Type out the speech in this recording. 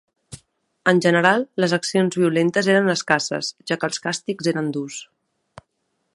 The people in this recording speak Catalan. En general, les accions violentes eren escasses, ja que els càstigs eren durs.